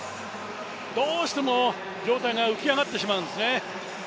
どうしても上体が浮き上がってしまうんですね。